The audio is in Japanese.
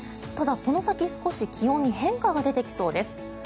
ただ、この先少し気温に変化が出てきそうです。